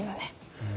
うん。